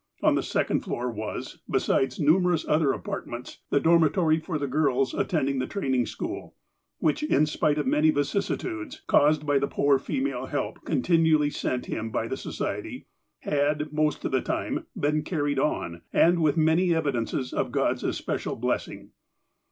On the second floor was, besides numerous other apartments, the dormitory for the girls attending the training school, which, in spite of many vicissitudes, caused by the poor female help continually sent him by the Society, had, most of the time, been carried on, and with many evidences of God's especial blessing.